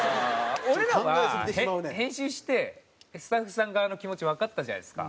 俺らは編集してスタッフさん側の気持ちわかったじゃないですか。